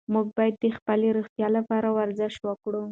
موږ باید د خپلې روغتیا لپاره ورزش وکړو.